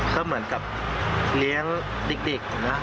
ครับเหมือนกับเลี้ยงดิ๊กนะ